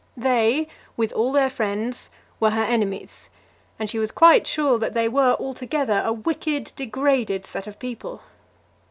They, with all their friends, were her enemies, and she was quite sure that they were, altogether, a wicked, degraded set of people.